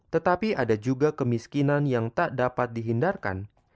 tetapi ada juga kemiskinan yang tak dapat dihindarkan